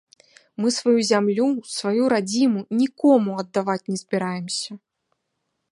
Мы сваю зямлю, сваю радзіму нікому аддаваць не збіраемся.